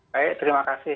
baik terima kasih